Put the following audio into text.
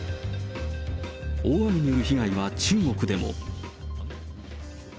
大雨による被害は中国でも。